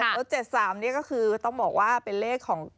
แล้ว๗๓นี่ก็คือต้องบอกว่าเป็นเลขของ